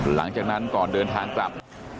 หลังจากนั้นก่อนเดินทางกลับ